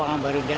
uang baru gak ada